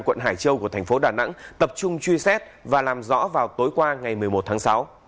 quận hải châu của thành phố đà nẵng tập trung truy xét và làm rõ vào tối qua ngày một mươi một tháng sáu